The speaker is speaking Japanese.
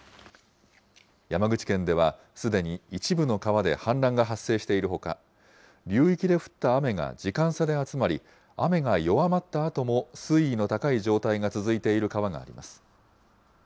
山口県ではすでに一部の川で氾濫が発生しているほか、流域で降った雨が時間差で集まり、雨が弱まったあとも、水位の高い状態が続いている川があります。